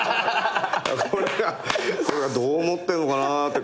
これはこれはどう思ってんのかな？とか。